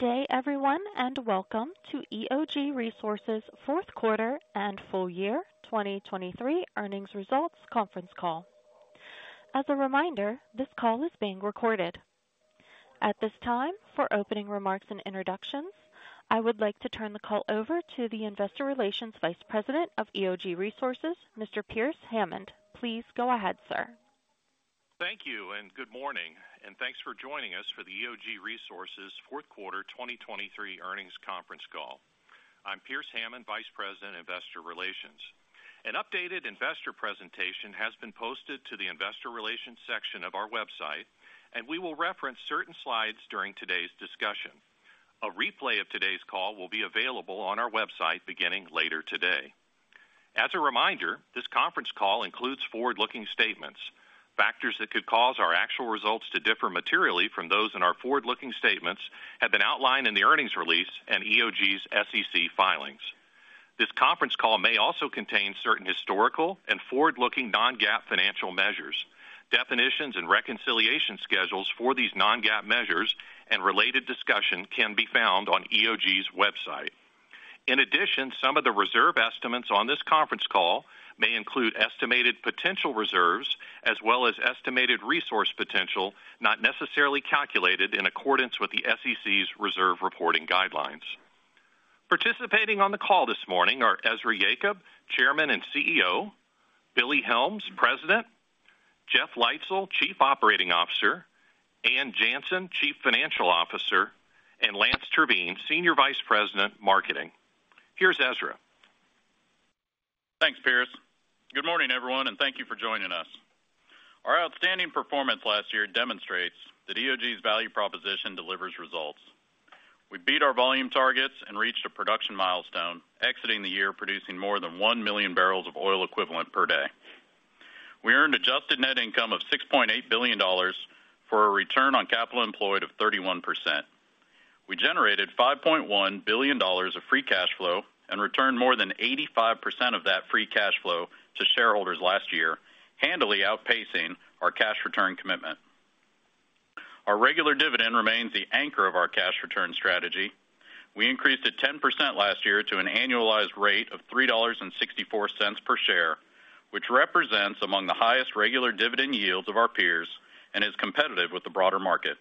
Good day, everyone, and welcome to EOG Resources' fourth quarter and full-year 2023 earnings results conference call. As a reminder, this call is being recorded. At this time, for opening remarks and introductions, I would like to turn the call over to the Investor Relations Vice President of EOG Resources, Mr. Pearce Hammond. Please go ahead, sir. Thank you, and good morning, and thanks for joining us for the EOG Resources' fourth quarter 2023 earnings conference call. I'm Pearce Hammond, Vice President, Investor Relations. An updated investor presentation has been posted to the Investor Relations section of our website, and we will reference certain slides during today's discussion. A replay of today's call will be available on our website beginning later today. As a reminder, this conference call includes forward-looking statements. Factors that could cause our actual results to differ materially from those in our forward-looking statements have been outlined in the earnings release and EOG's SEC filings. This conference call may also contain certain historical and forward-looking non-GAAP financial measures. Definitions and reconciliation schedules for these non-GAAP measures and related discussion can be found on EOG's website. In addition, some of the reserve estimates on this conference call may include estimated potential reserves as well as estimated resource potential not necessarily calculated in accordance with the SEC's reserve reporting guidelines. Participating on the call this morning are Ezra Yacob, Chairman and CEO; Billy Helms, President; Jeff Leitzell, Chief Operating Officer; Ann Janssen, Chief Financial Officer; and Lance Terveen, Senior Vice President Marketing. Here's Ezra. Thanks, Pierce. Good morning, everyone, and thank you for joining us. Our outstanding performance last year demonstrates that EOG's value proposition delivers results. We beat our volume targets and reached a production milestone, exiting the year producing more than 1 million barrels of oil equivalent per day. We earned adjusted net income of $6.8 billion for a return on capital employed of 31%. We generated $5.1 billion of free cash flow and returned more than 85% of that free cash flow to shareholders last year, handily outpacing our cash return commitment. Our regular dividend remains the anchor of our cash return strategy. We increased it 10% last year to an annualized rate of $3.64 per share, which represents among the highest regular dividend yields of our peers and is competitive with the broader market.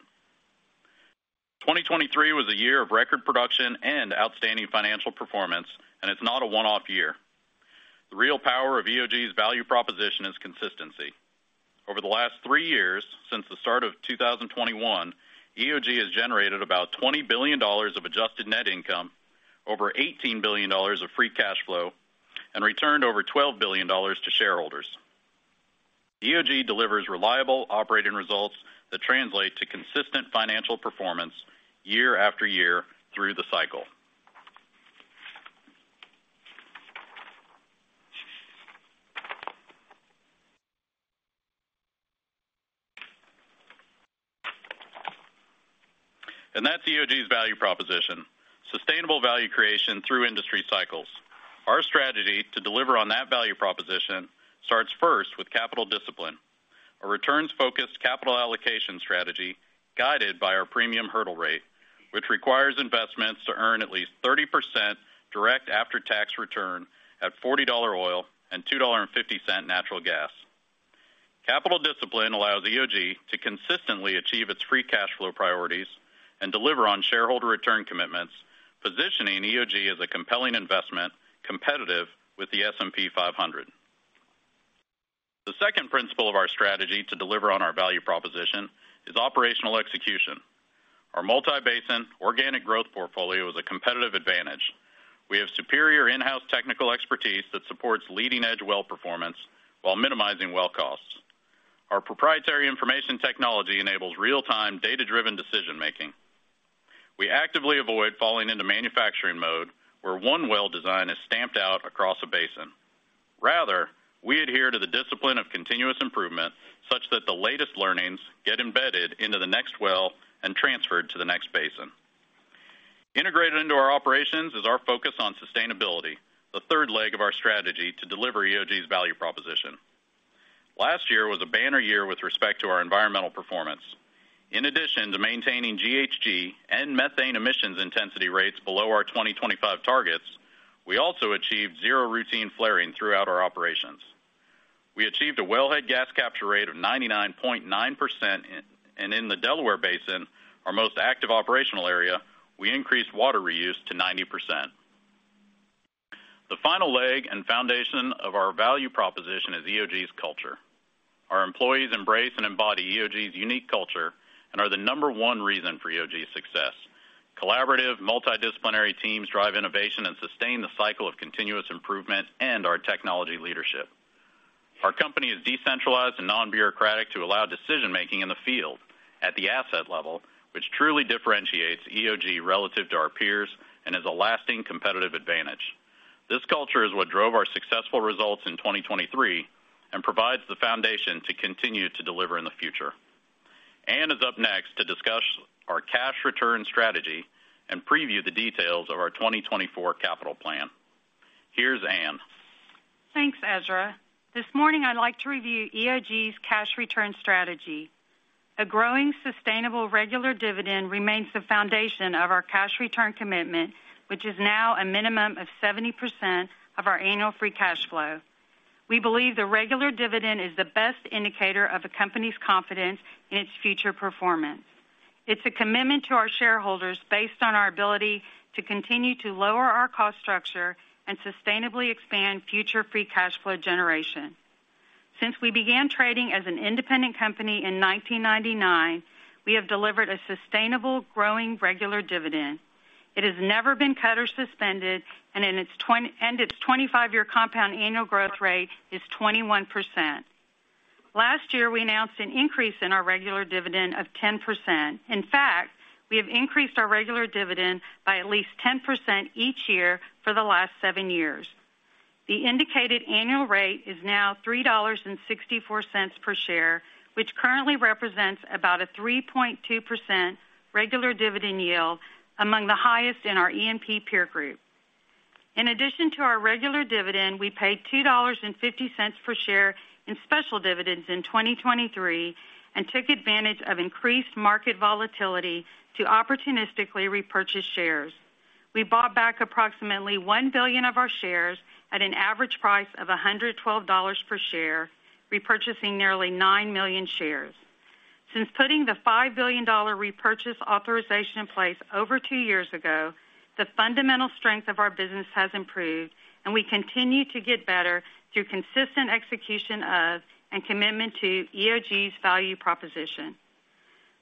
2023 was a year of record production and outstanding financial performance, and it's not a one-off year. The real power of EOG's value proposition is consistency. Over the last three years since the start of 2021, EOG has generated about $20 billion of adjusted net income, over $18 billion of free cash flow, and returned over $12 billion to shareholders. EOG delivers reliable operating results that translate to consistent financial performance year after year through the cycle. And that's EOG's value proposition: sustainable value creation through industry cycles. Our strategy to deliver on that value proposition starts first with capital discipline, a returns-focused capital allocation strategy guided by our premium hurdle rate, which requires investments to earn at least 30% direct after-tax return at $40 oil and $2.50 natural gas. Capital discipline allows EOG to consistently achieve its free cash flow priorities and deliver on shareholder return commitments, positioning EOG as a compelling investment competitive with the S&P 500. The second principle of our strategy to deliver on our value proposition is operational execution. Our multi-basin organic growth portfolio is a competitive advantage. We have superior in-house technical expertise that supports leading-edge well performance while minimizing well costs. Our proprietary information technology enables real-time, data-driven decision-making. We actively avoid falling into manufacturing mode where one well design is stamped out across a basin. Rather, we adhere to the discipline of continuous improvement such that the latest learnings get embedded into the next well and transferred to the next basin. Integrated into our operations is our focus on sustainability, the third leg of our strategy to deliver EOG's value proposition. Last year was a banner year with respect to our environmental performance. In addition to maintaining GHG and methane emissions intensity rates below our 2025 targets, we also achieved zero routine flaring throughout our operations. We achieved a wellhead gas capture rate of 99.9%, and in the Delaware Basin, our most active operational area, we increased water reuse to 90%. The final leg and foundation of our value proposition is EOG's culture. Our employees embrace and embody EOG's unique culture and are the number one reason for EOG's success. Collaborative, multidisciplinary teams drive innovation and sustain the cycle of continuous improvement and our technology leadership. Our company is decentralized and non-bureaucratic to allow decision-making in the field at the asset level, which truly differentiates EOG relative to our peers and is a lasting competitive advantage. This culture is what drove our successful results in 2023 and provides the foundation to continue to deliver in the future. Ann is up next to discuss our cash return strategy and preview the details of our 2024 capital plan. Here's Ann. Thanks, Ezra. This morning, I'd like to review EOG's cash return strategy. A growing, sustainable regular dividend remains the foundation of our cash return commitment, which is now a minimum of 70% of our annual free cash flow. We believe the regular dividend is the best indicator of a company's confidence in its future performance. It's a commitment to our shareholders based on our ability to continue to lower our cost structure and sustainably expand future free cash flow generation. Since we began trading as an independent company in 1999, we have delivered a sustainable, growing regular dividend. It has never been cut or suspended, and its 25-year compound annual growth rate is 21%. Last year, we announced an increase in our regular dividend of 10%. In fact, we have increased our regular dividend by at least 10% each year for the last seven years. The indicated annual rate is now $3.64 per share, which currently represents about a 3.2% regular dividend yield, among the highest in our E&P peer group. In addition to our regular dividend, we paid $2.50 per share in special dividends in 2023 and took advantage of increased market volatility to opportunistically repurchase shares. We bought back approximately one billion of our shares at an average price of $112 per share, repurchasing nearly nine million shares. Since putting the $5 billion repurchase authorization in place over two years ago, the fundamental strength of our business has improved, and we continue to get better through consistent execution of and commitment to EOG's value proposition.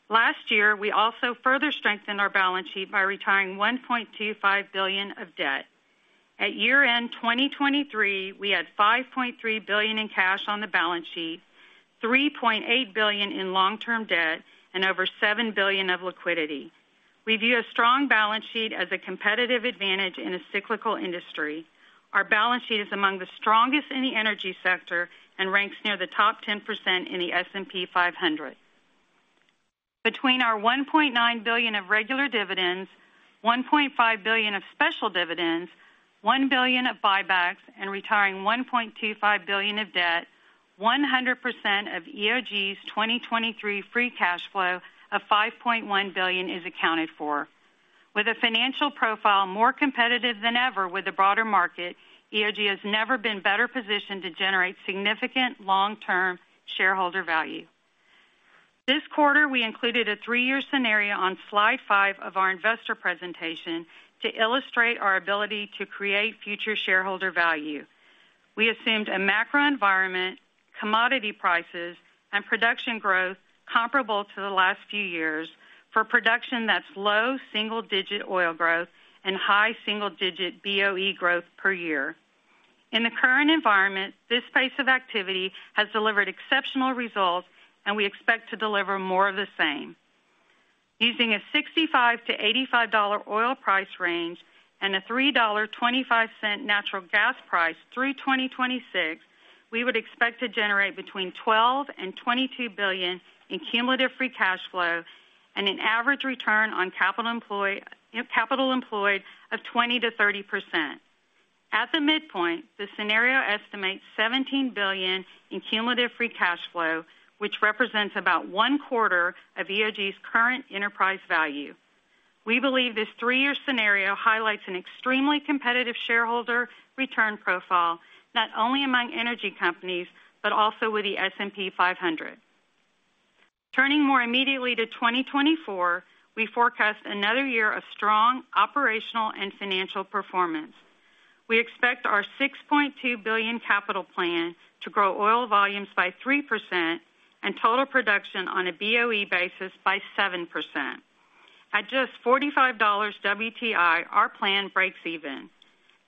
Last year, we also further strengthened our balance sheet by retiring $1.25 billion of debt. At year-end 2023, we had $5.3 billion in cash on the balance sheet, $3.8 billion in long-term debt, and over $7 billion of liquidity. We view a strong balance sheet as a competitive advantage in a cyclical industry. Our balance sheet is among the strongest in the energy sector and ranks near the top 10% in the S&P 500. Between our $1.9 billion of regular dividends, $1.5 billion of special dividends, $1 billion of buybacks, and retiring $1.25 billion of debt, 100% of EOG's 2023 free cash flow of $5.1 billion is accounted for. With a financial profile more competitive than ever with the broader market, EOG has never been better positioned to generate significant long-term shareholder value. This quarter, we included a three-year scenario on slide five of our investor presentation to illustrate our ability to create future shareholder value. We assumed a macro environment, commodity prices, and production growth comparable to the last few years for production that's low single-digit oil growth and high single-digit BOE growth per year. In the current environment, this pace of activity has delivered exceptional results, and we expect to deliver more of the same. Using a $65-$85 oil price range and a $3.25 natural gas price through 2026, we would expect to generate between $12 billion and $22 billion in cumulative free cash flow and an average return on capital employed of 20%-30%. At the midpoint, the scenario estimates $17 billion in cumulative free cash flow, which represents about one quarter of EOG's current enterprise value. We believe this three-year scenario highlights an extremely competitive shareholder return profile not only among energy companies but also with the S&P 500. Turning more immediately to 2024, we forecast another year of strong operational and financial performance. We expect our $6.2 billion capital plan to grow oil volumes by 3% and total production on a BOE basis by 7%. At just $45 WTI, our plan breaks even.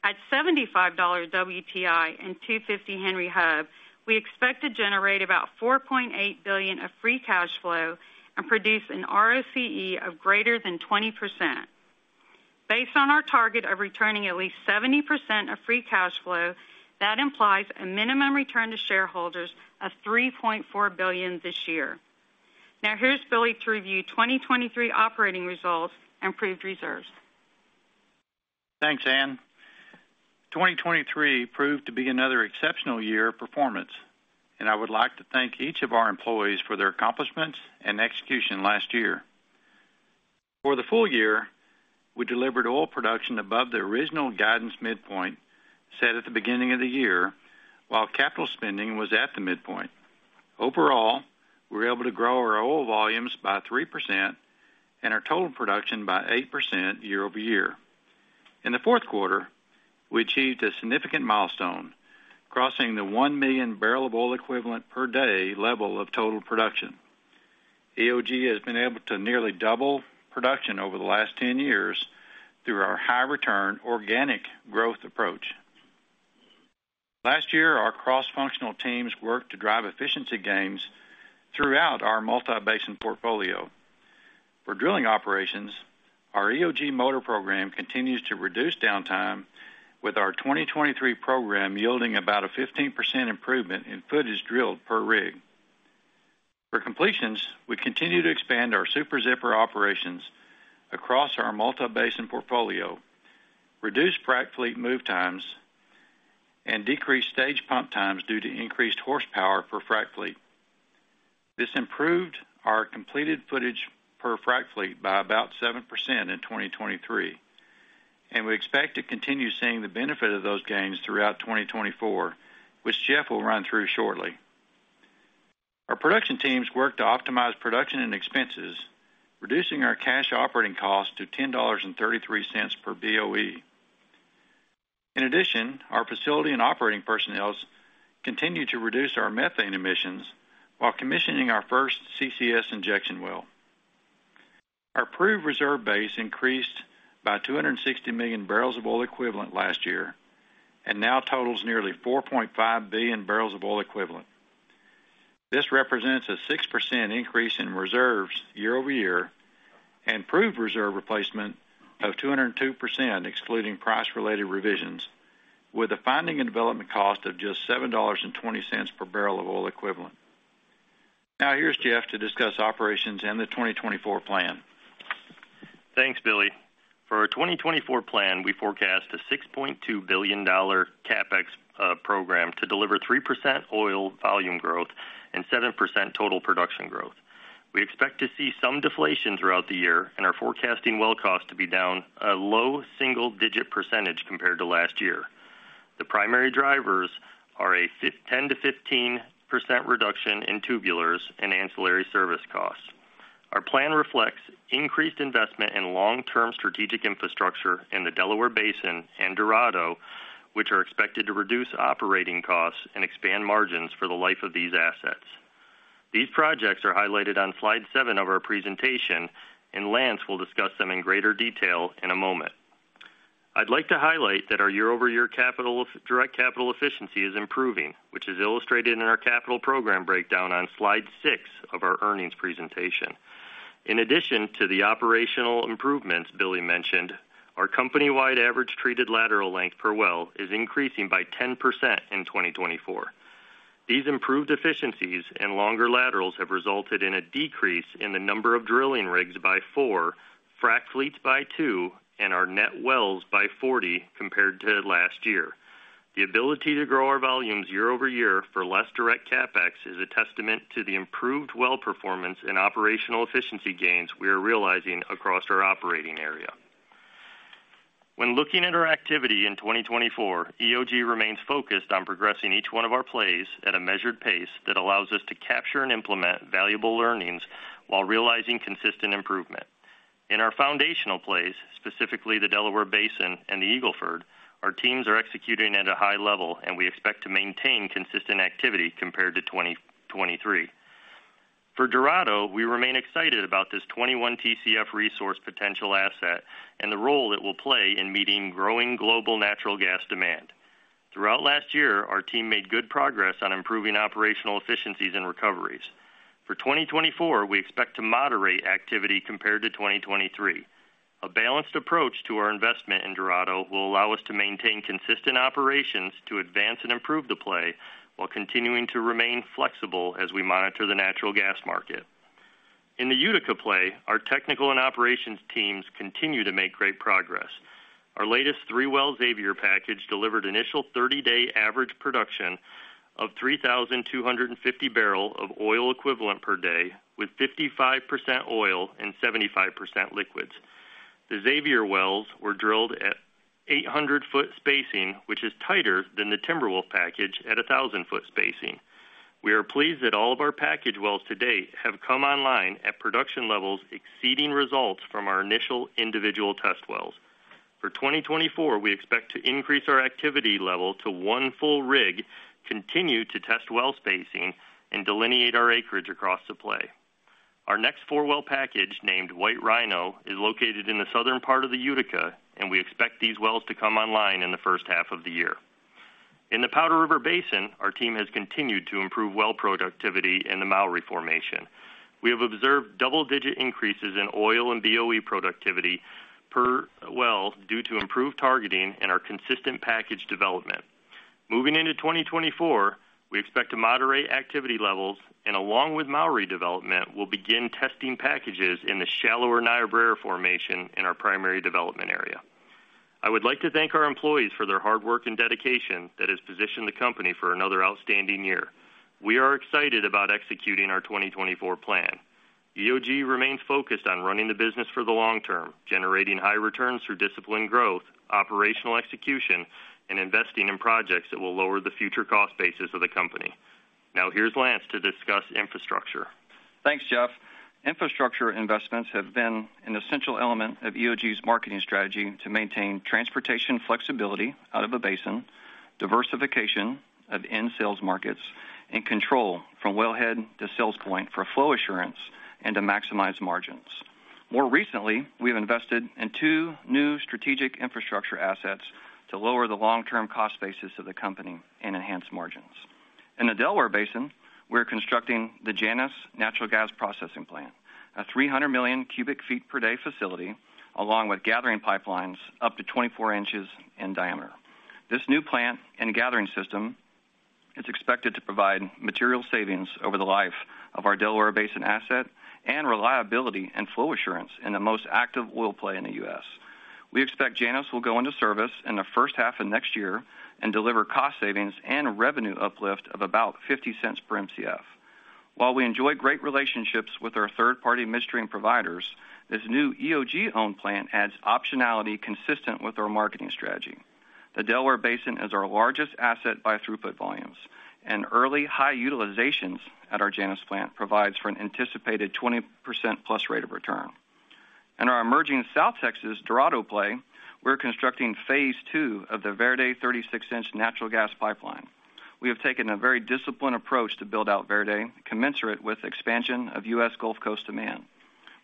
At $75 WTI and $2.50 Henry Hub, we expect to generate about $4.8 billion of free cash flow and produce an ROCE of greater than 20%. Based on our target of returning at least 70% of free cash flow, that implies a minimum return to shareholders of $3.4 billion this year. Now here's Billy to review 2023 operating results and proved reserves. Thanks, Ann. 2023 proved to be another exceptional year of performance, and I would like to thank each of our employees for their accomplishments and execution last year. For the full year, we delivered oil production above the original guidance midpoint set at the beginning of the year while capital spending was at the midpoint. Overall, we were able to grow our oil volumes by 3% and our total production by 8% year-over-year. In the fourth quarter, we achieved a significant milestone, crossing the 1 million barrel of oil equivalent per day level of total production. EOG has been able to nearly double production over the last 10 years through our high-return organic growth approach. Last year, our cross-functional teams worked to drive efficiency gains throughout our multi-basin portfolio. For drilling operations, our EOG Motor Program continues to reduce downtime, with our 2023 program yielding about a 15% improvement in footage drilled per rig. For completions, we continue to expand our Super Zipper operations across our multi-basin portfolio, reduce frac fleet move times, and decrease stage pump times due to increased horsepower per frac fleet. This improved our completed footage per frac fleet by about 7% in 2023, and we expect to continue seeing the benefit of those gains throughout 2024, which Jeff will run through shortly. Our production teams worked to optimize production and expenses, reducing our cash operating costs to $10.33 per BOE. In addition, our facility and operating personnel continue to reduce our methane emissions while commissioning our first CCS injection well. Our proved reserve base increased by 260 million barrels of oil equivalent last year and now totals nearly 4.5 billion barrels of oil equivalent. This represents a 6% increase in reserves year-over-year and proved reserve replacement of 202% excluding price-related revisions, with a finding and development cost of just $7.20 per barrel of oil equivalent. Now here's Jeff to discuss operations and the 2024 plan. Thanks, Billy. For our 2024 plan, we forecast a $6.2 billion CapEx program to deliver 3% oil volume growth and 7% total production growth. We expect to see some deflation throughout the year, and our forecasting well cost to be down a low single-digit % compared to last year. The primary drivers are a 10%-15% reduction in tubulars and ancillary service costs. Our plan reflects increased investment in long-term strategic infrastructure in the Delaware Basin and Dorado, which are expected to reduce operating costs and expand margins for the life of these assets. These projects are highlighted on slide 7 of our presentation, and Lance will discuss them in greater detail in a moment. I'd like to highlight that our year-over-year direct capital efficiency is improving, which is illustrated in our capital program breakdown on slide 6 of our earnings presentation. In addition to the operational improvements Billy mentioned, our company-wide average treated lateral length per well is increasing by 10% in 2024. These improved efficiencies and longer laterals have resulted in a decrease in the number of drilling rigs by 4, frac fleets by 2, and our net wells by 40 compared to last year. The ability to grow our volumes year-over-year for less direct CapEx is a testament to the improved well performance and operational efficiency gains we are realizing across our operating area. When looking at our activity in 2024, EOG remains focused on progressing each one of our plays at a measured pace that allows us to capture and implement valuable learnings while realizing consistent improvement. In our foundational plays, specifically the Delaware Basin and the Eagle Ford, our teams are executing at a high level, and we expect to maintain consistent activity compared to 2023. For Dorado, we remain excited about this 21 TCF resource potential asset and the role it will play in meeting growing global natural gas demand. Throughout last year, our team made good progress on improving operational efficiencies and recoveries. For 2024, we expect to moderate activity compared to 2023. A balanced approach to our investment in Dorado will allow us to maintain consistent operations to advance and improve the play while continuing to remain flexible as we monitor the natural gas market. In the Utica play, our technical and operations teams continue to make great progress. Our latest 3-well Xavier package delivered initial 30-day average production of 3,250 barrels of oil equivalent per day, with 55% oil and 75% liquids. The Xavier wells were drilled at 800-foot spacing, which is tighter than the Timberwolf package at 1,000-foot spacing. We are pleased that all of our package wells to date have come online at production levels exceeding results from our initial individual test wells. For 2024, we expect to increase our activity level to one full rig, continue to test well spacing, and delineate our acreage across the play. Our next four-well package, named White Rhino, is located in the southern part of the Utica, and we expect these wells to come online in the first half of the year. In the Powder River Basin, our team has continued to improve well productivity and the Mowry Formation. We have observed double-digit increases in oil and BOE productivity per well due to improved targeting and our consistent package development. Moving into 2024, we expect to moderate activity levels and, along with Mowry development, will begin testing packages in the shallower Niobrara Formation in our primary development area. I would like to thank our employees for their hard work and dedication that has positioned the company for another outstanding year. We are excited about executing our 2024 plan. EOG remains focused on running the business for the long term, generating high returns through disciplined growth, operational execution, and investing in projects that will lower the future cost basis of the company. Now here's Lance to discuss infrastructure. Thanks, Jeff. Infrastructure investments have been an essential element of EOG's marketing strategy to maintain transportation flexibility out of the basin, diversification of end sales markets, and control from wellhead to sales point for flow assurance and to maximize margins. More recently, we have invested in two new strategic infrastructure assets to lower the long-term cost basis of the company and enhance margins. In the Delaware Basin, we're constructing the Janus Natural Gas Processing Plant, a 300 million cubic feet per day facility along with gathering pipelines up to 24 inches in diameter. This new plant and gathering system is expected to provide material savings over the life of our Delaware Basin asset and reliability and flow assurance in the most active oil play in the U.S. We expect Janus will go into service in the first half of next year and deliver cost savings and revenue uplift of about $0.50 per MCF. While we enjoy great relationships with our third-party midstream providers, this new EOG-owned plant adds optionality consistent with our marketing strategy. The Delaware Basin is our largest asset by throughput volumes, and early high utilizations at our Janus plant provide for an anticipated 20%+ rate of return. In our emerging South Texas Dorado play, we're constructing phase two of the Verde 36-inch natural gas pipeline. We have taken a very disciplined approach to build out Verde, commensurate with expansion of U.S. Gulf Coast demand.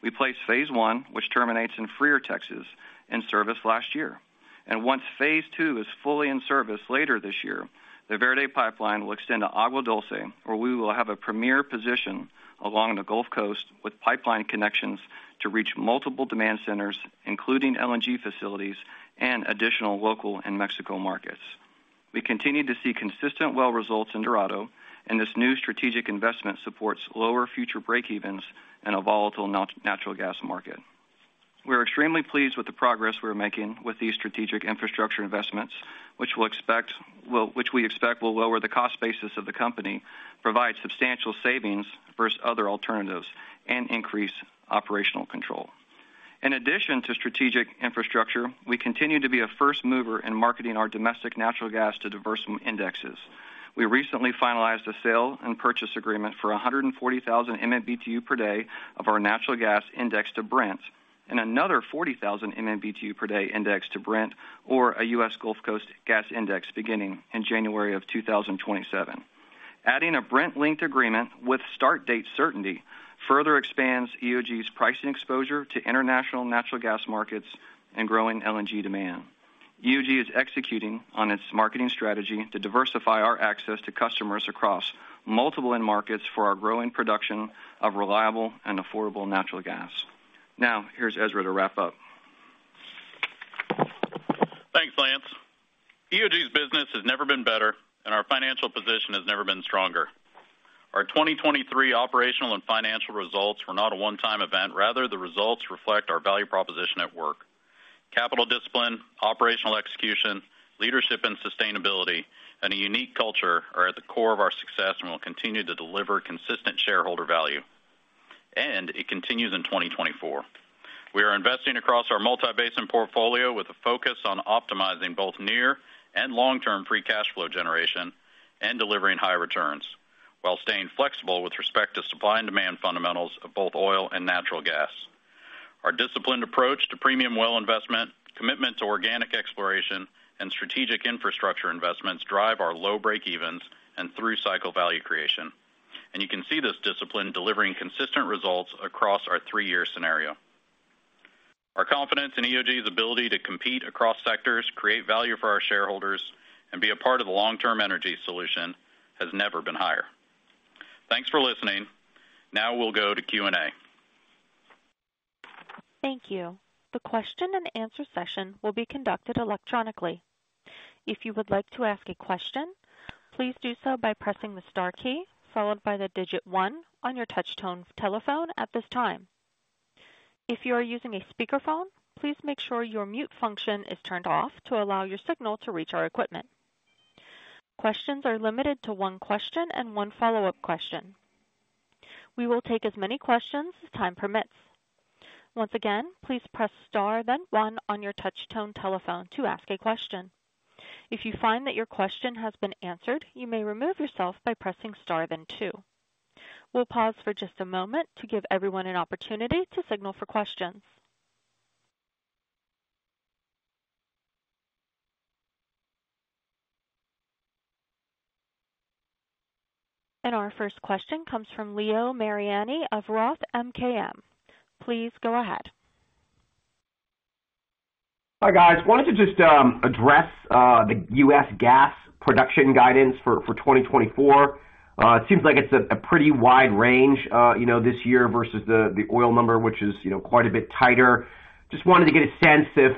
We placed phase one, which terminates in Freer, Texas, in service last year. Once Phase 2 is fully in service later this year, the Verde Pipeline will extend to Agua Dulce, where we will have a premier position along the Gulf Coast with pipeline connections to reach multiple demand centers, including LNG facilities and additional local and Mexico markets. We continue to see consistent well results in Dorado, and this new strategic investment supports lower future breakevens in a volatile natural gas market. We are extremely pleased with the progress we are making with these strategic infrastructure investments, which we expect will lower the cost basis of the company, provide substantial savings versus other alternatives, and increase operational control. In addition to strategic infrastructure, we continue to be a first mover in marketing our domestic natural gas to diverse indexes. We recently finalized a sale and purchase agreement for 140,000 MMBtu per day of our natural gas index to Brent and another 40,000 MMBtu per day index to Brent, or a U.S. Gulf Coast gas index beginning in January of 2027. Adding a Brent-linked agreement with start date certainty further expands EOG's pricing exposure to international natural gas markets and growing LNG demand. EOG is executing on its marketing strategy to diversify our access to customers across multiple end markets for our growing production of reliable and affordable natural gas. Now here's Ezra to wrap up. Thanks, Lance. EOG's business has never been better, and our financial position has never been stronger. Our 2023 operational and financial results were not a one-time event. Rather, the results reflect our value proposition at work. Capital discipline, operational execution, leadership and sustainability, and a unique culture are at the core of our success and will continue to deliver consistent shareholder value. And it continues in 2024. We are investing across our multi-basin portfolio with a focus on optimizing both near and long-term free cash flow generation and delivering high returns while staying flexible with respect to supply and demand fundamentals of both oil and natural gas. Our disciplined approach to premium well investment, commitment to organic exploration, and strategic infrastructure investments drive our low breakevens and through-cycle value creation. And you can see this discipline delivering consistent results across our three-year scenario. Our confidence in EOG's ability to compete across sectors, create value for our shareholders, and be a part of the long-term energy solution has never been higher. Thanks for listening. Now we'll go to Q&A. Thank you. The question and answer session will be conducted electronically. If you would like to ask a question, please do so by pressing the star key followed by the digit one on your touch-tone telephone at this time. If you are using a speakerphone, please make sure your mute function is turned off to allow your signal to reach our equipment. Questions are limited to one question and one follow-up question. We will take as many questions as time permits. Once again, please press star, then one on your touch-tone telephone to ask a question. If you find that your question has been answered, you may remove yourself by pressing star, then two. We'll pause for just a moment to give everyone an opportunity to signal for questions. And our first question comes from Leo Mariani of Roth MKM. Please go ahead. Hi guys. Wanted to just address the U.S. gas production guidance for 2024. It seems like it's a pretty wide range this year versus the oil number, which is quite a bit tighter. Just wanted to get a sense if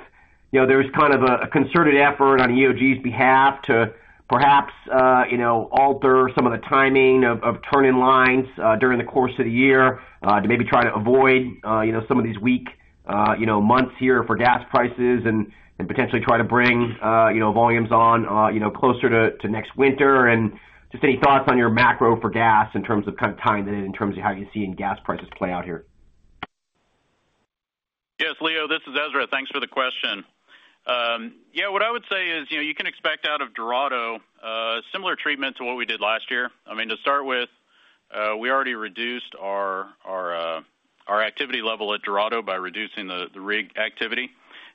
there's kind of a concerted effort on EOG's behalf to perhaps alter some of the timing of turning lines during the course of the year to maybe try to avoid some of these weak months here for gas prices and potentially try to bring volumes on closer to next winter. Just any thoughts on your macro for gas in terms of kind of tying that in in terms of how you see gas prices play out here. Yes, Leo. This is Ezra. Thanks for the question. Yeah, what I would say is you can expect out of Dorado similar treatment to what we did last year. I mean, to start with, we already reduced our activity level at Dorado by reducing the rig activity.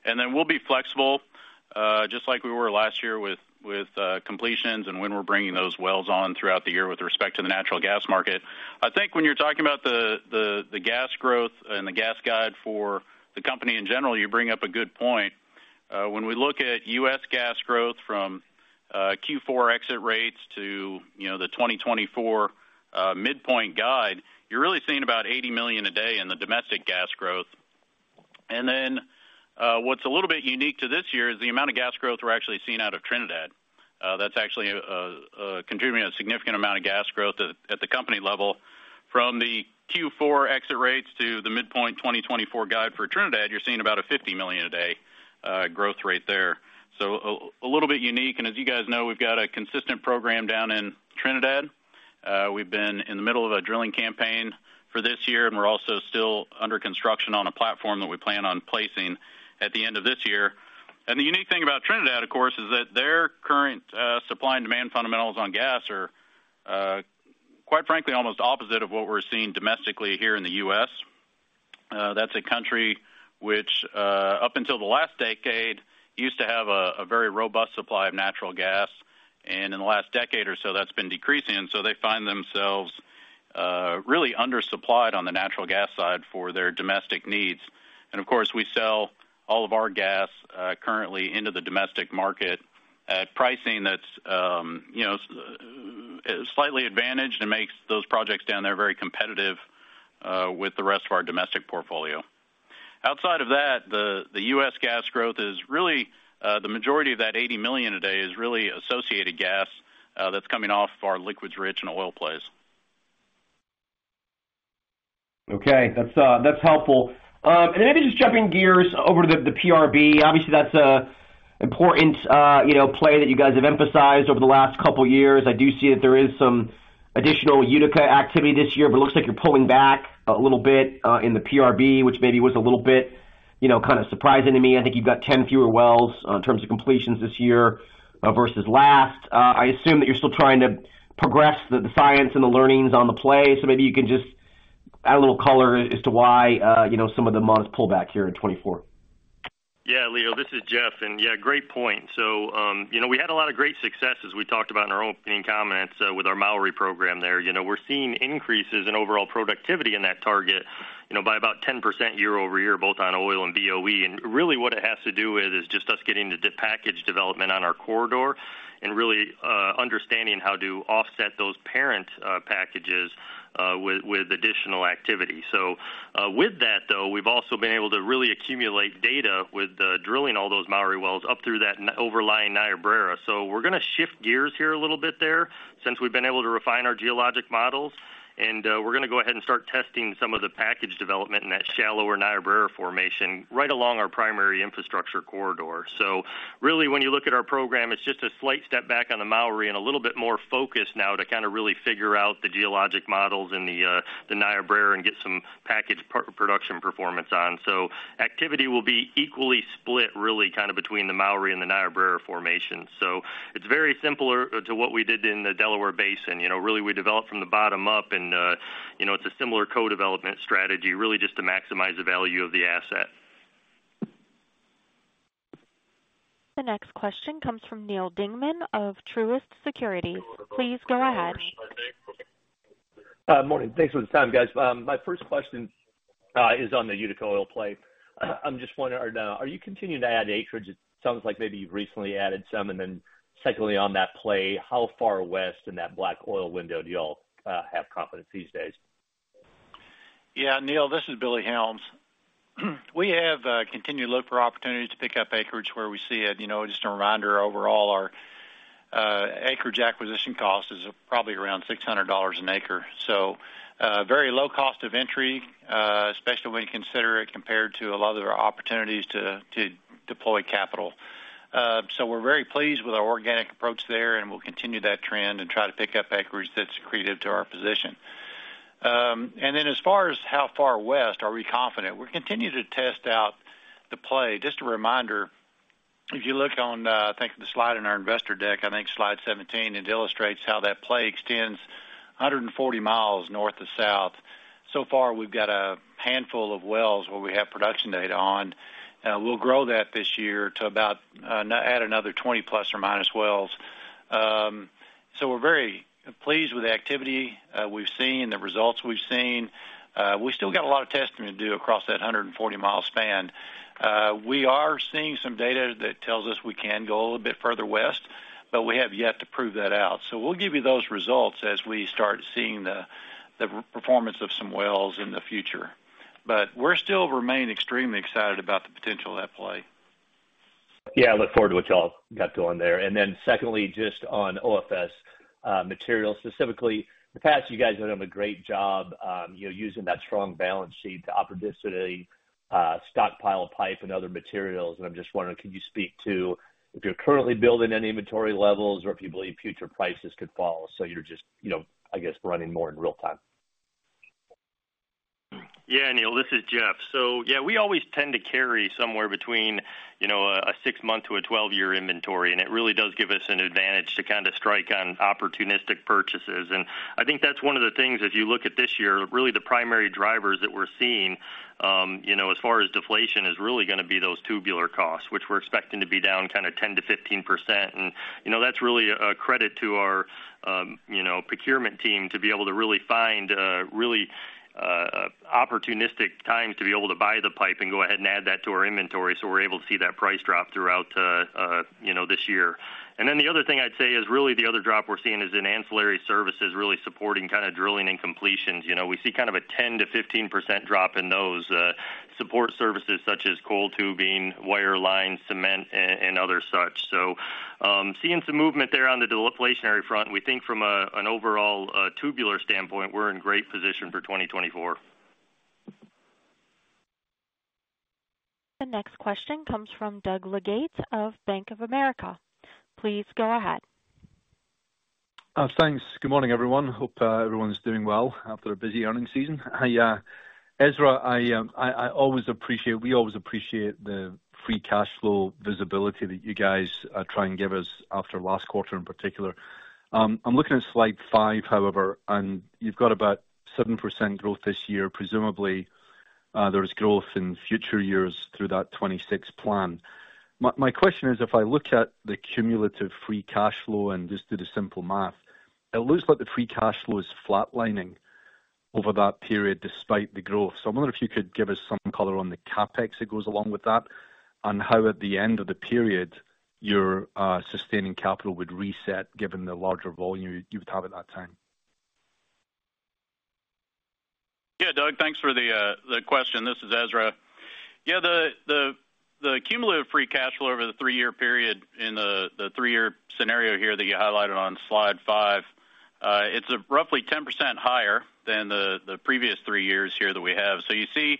And then we'll be flexible just like we were last year with completions and when we're bringing those wells on throughout the year with respect to the natural gas market. I think when you're talking about the gas growth and the gas guide for the company in general, you bring up a good point. When we look at U.S. gas growth from Q4 exit rates to the 2024 midpoint guide, you're really seeing about 80 million a day in the domestic gas growth. And then what's a little bit unique to this year is the amount of gas growth we're actually seeing out of Trinidad. That's actually contributing a significant amount of gas growth at the company level. From the Q4 exit rates to the midpoint 2024 guide for Trinidad, you're seeing about a 50 million a day growth rate there. So a little bit unique. And as you guys know, we've got a consistent program down in Trinidad. We've been in the middle of a drilling campaign for this year, and we're also still under construction on a platform that we plan on placing at the end of this year. And the unique thing about Trinidad, of course, is that their current supply and demand fundamentals on gas are, quite frankly, almost opposite of what we're seeing domestically here in the U.S. That's a country which, up until the last decade, used to have a very robust supply of natural gas. In the last decade or so, that's been decreasing. So they find themselves really undersupplied on the natural gas side for their domestic needs. Of course, we sell all of our gas currently into the domestic market at pricing that's slightly advantaged and makes those projects down there very competitive with the rest of our domestic portfolio. Outside of that, the U.S. gas growth is really the majority of that 80 million a day is really associated gas that's coming off our liquids-rich and oil plays. Okay. That's helpful. And then maybe just jumping gears over to the PRB. Obviously, that's an important play that you guys have emphasized over the last couple of years. I do see that there is some additional Utica activity this year, but it looks like you're pulling back a little bit in the PRB, which maybe was a little bit kind of surprising to me. I think you've got 10 fewer wells in terms of completions this year versus last. I assume that you're still trying to progress the science and the learnings on the play. So maybe you can just add a little color as to why some of the amount is pulled back here in 2024. Yeah, Leo. This is Jeff. And yeah, great point. So we had a lot of great success, as we talked about in our opening comments with our Mowry program there. We're seeing increases in overall productivity in that target by about 10% year-over-year, both on oil and BOE. And really, what it has to do with is just us getting the package development on our corridor and really understanding how to offset those parent packages with additional activity. So with that, though, we've also been able to really accumulate data with drilling all those Mowry wells up through that overlying Niobrara. So we're going to shift gears here a little bit there since we've been able to refine our geologic models. And we're going to go ahead and start testing some of the package development in that shallower Niobrara Formation right along our primary infrastructure corridor. So really, when you look at our program, it's just a slight step back on the Mowry and a little bit more focus now to kind of really figure out the geologic models in the Niobrara and get some package production performance on. So activity will be equally split, really, kind of between the Mowry and the Niobrara Formation. So it's very similar to what we did in the Delaware Basin. Really, we developed from the bottom up, and it's a similar co-development strategy, really just to maximize the value of the asset. The next question comes from Neil Dingman of Truist Securities. Please go ahead. Morning. Thanks for the time, guys. My first question is on the Utica oil play. I'm just wondering, are you continuing to add acreage? It sounds like maybe you've recently added some. And then secondly, on that play, how far west in that black oil window do y'all have confidence these days? Yeah, Neil. This is Billy Helms. We have continued to look for opportunities to pick up acreage where we see it. Just a reminder, overall, our acreage acquisition cost is probably around $600 an acre. So very low cost of entry, especially when you consider it compared to a lot of the opportunities to deploy capital. So we're very pleased with our organic approach there, and we'll continue that trend and try to pick up acreage that's creative to our position. And then as far as how far west are we confident, we're continuing to test out the play. Just a reminder, if you look on, I think, the slide in our investor deck, I think slide 17, it illustrates how that play extends 140 miles north to south. So far, we've got a handful of wells where we have production data on. We'll grow that this year to about add another 20 ± wells. So we're very pleased with the activity we've seen, the results we've seen. We still got a lot of testing to do across that 140-mile span. We are seeing some data that tells us we can go a little bit further west, but we have yet to prove that out. So we'll give you those results as we start seeing the performance of some wells in the future. But we're still remaining extremely excited about the potential of that play. Yeah, I look forward to what y'all got going there. And then secondly, just on OFS materials, specifically, in the past, you guys have done a great job using that strong balance sheet to optimize today stockpile pipe and other materials. And I'm just wondering, can you speak to if you're currently building any inventory levels or if you believe future prices could fall so you're just, I guess, running more in real time? Yeah, Neil. This is Jeff. So yeah, we always tend to carry somewhere between a 6-month to a 12-year inventory, and it really does give us an advantage to kind of strike on opportunistic purchases. And I think that's one of the things, if you look at this year, really the primary drivers that we're seeing as far as deflation is really going to be those tubular costs, which we're expecting to be down kind of 10%-15%. And that's really a credit to our procurement team to be able to really find really opportunistic times to be able to buy the pipe and go ahead and add that to our inventory so we're able to see that price drop throughout this year. And then the other thing I'd say is really the other drop we're seeing is in ancillary services, really supporting kind of drilling and completions. We see kind of a 10%-15% drop in those support services such as coil tubing, wirelines, cement, and other such. So seeing some movement there on the deflationary front, we think from an overall tubular standpoint, we're in great position for 2024. The next question comes from Doug Legate of Bank of America. Please go ahead. Thanks. Good morning, everyone. Hope everyone's doing well after a busy earnings season. Hey, Ezra, I always appreciate we always appreciate the free cash flow visibility that you guys try and give us after last quarter in particular. I'm looking at slide 5, however, and you've got about 7% growth this year. Presumably, there's growth in future years through that 2026 plan. My question is, if I look at the cumulative free cash flow and just do the simple math, it looks like the free cash flow is flatlining over that period despite the growth. So I'm wondering if you could give us some color on the CapEx that goes along with that and how at the end of the period, your sustaining capital would reset given the larger volume you would have at that time. Yeah, Doug, thanks for the question. This is Ezra. Yeah, the cumulative free cash flow over the three-year period in the three-year scenario here that you highlighted on slide 5, it's roughly 10% higher than the previous three years here that we have. So you see